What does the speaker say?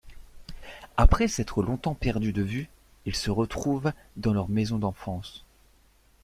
Après s'être longtemps perdu de vue, ils se retrouvent dans leur maison d'enfance.